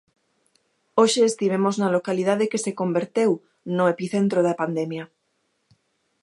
Hoxe estivemos na localidade que se converteu no epicentro da pandemia.